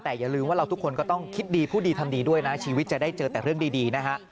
แต่อย่าลืมว่าเราทุกคนก็ต้องคิดดีพูดดีทำดีด้วยนะชีวิตจะได้เจอแต่เรื่องดีนะฮะ